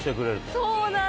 そうなの？